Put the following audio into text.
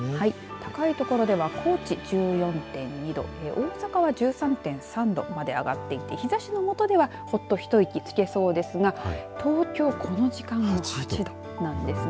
高い所では高知１４．２度大阪は１３．３度まで上がってきて日ざしのもとではほっと、ひと息つけそうですが東京、この時間８度なんですね。